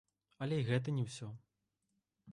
Але і гэта не ўсё!